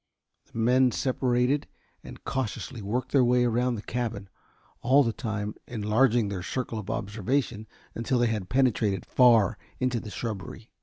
The men separated and cautiously worked their way around the cabin, all the time enlarging their circle of observation, until they had penetrated far into the shrubbery.